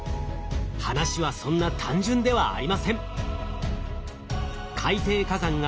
話はそんな単純ではありません。